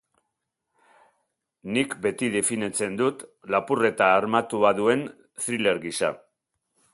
Nik beti definitzen dut lapurreta armatua duen thriller gisa.